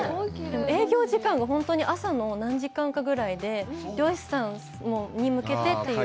営業時間が本当に朝の何時間かぐらいで、漁師さんに向けてという。